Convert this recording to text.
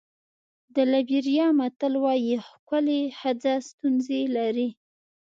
د لېبریا متل وایي ښکلې ښځه ستونزې لري.